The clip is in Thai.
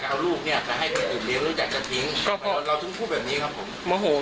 ก็เพราะเราทุกคนพูดแบบนี้ครับผมโม่ห่วงพี่ยอมรับว่าเราพูดจริง